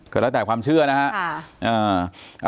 ก็แล้วแต่ความเชื่อนะครับ